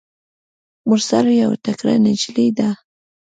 مرسل یوه تکړه نجلۍ ده.